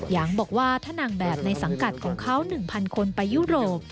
ยังบอกว่าถ้านางแบบในสังกัดของเขา๑๐๐คนไปยุโรป